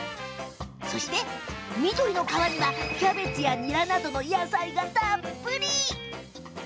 緑の皮にはキャベツやニラなどの野菜がたっぷり！